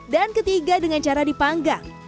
dan ketiga dengan cara dipanggang